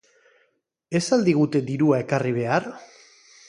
Ez al digute dirua ekarri behar?